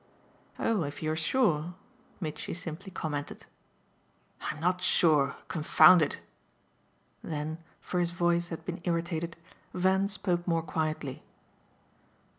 "Oh if you're sure !" Mitchy simply commented. "I'm not sure, confound it!" Then for his voice had been irritated Van spoke more quietly.